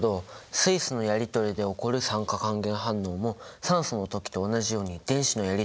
水素のやりとりで起こる酸化還元反応も酸素の時と同じように電子のやりとりで説明できるんだね。